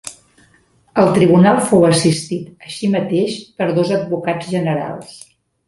El Tribunal fou assistit, així mateix, per dos advocats generals.